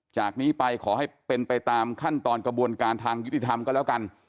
จากนี้ไปขอให้เป็นไปตามขั้นตอนกระบวนการทางยุติธรรมก็แล้วกัน